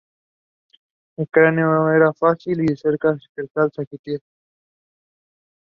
El cráneo era grácil y carecía de cresta sagital.